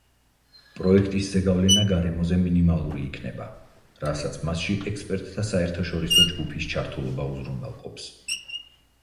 პროექტის ზეგავლენა გარემოზე მინიმალური იქნება, რასაც მასში ექსპერტთა საერთაშორისო ჯგუფის ჩართულობა უზრუნველყოფს.